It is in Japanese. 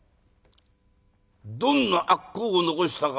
「どんな悪口を残したか？